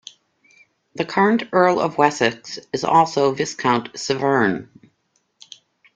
The current Earl of Wessex is also Viscount Severn.